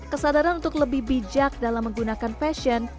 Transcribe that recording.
kesadaran untuk lebih bijak dalam menggunakan fashion